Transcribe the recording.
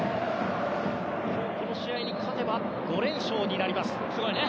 この試合に勝てば５連勝になります。